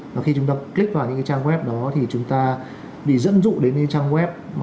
và khi chúng ta click vào những cái trang web đó thì chúng ta bị dẫn dụ đến những trang web